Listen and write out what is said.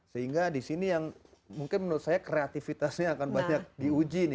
sehingga disini yang mungkin menurut saya kreatifitasnya akan banyak diuji disini